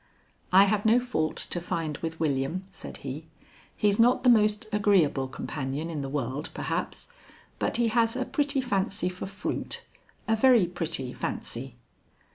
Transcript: "I have no fault to find with William," said he. "He's not the most agreeable companion in the world perhaps, but he has a pretty fancy for fruit a very pretty fancy."